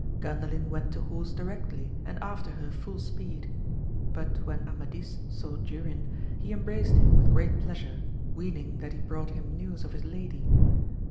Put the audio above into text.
Ganda lin went to horse directly and after her full speed ; but when Amadis saw Durin he embraced him with great pleasure, weening that he brought him news of his lady.